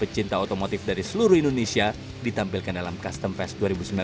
pecinta otomotif dari seluruh indonesia ditampilkan dalam custom fest dua ribu sembilan belas